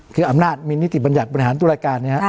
คืออำนาจมีนิติบัญญัติบริหารตุรการ